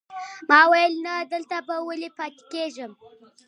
ما ویل نه، دلته به ولې پاتې کېږم.